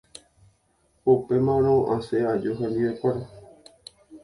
Upémarõ asẽ aju hendivekuéra.